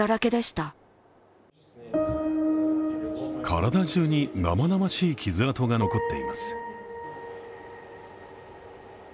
体じゅうに生々しい傷痕が残っています。